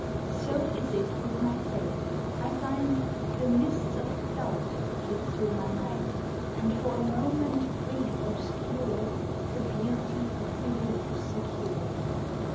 So is it with my FAITH. I find The mists of DOUBT flit thro my mind, And for a moment brief obscure The beauty of BELIEF secure.